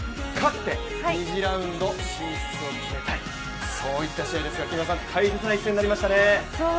勝って２次ラウンド進出を決めたいそういった試合ですが、大切な一戦になりましたね。